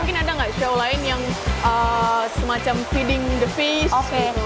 mungkin ada gak show lain yang semacam feeding the fish gitu